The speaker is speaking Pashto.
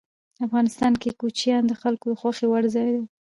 افغانستان کې کوچیان د خلکو د خوښې وړ ځای دی.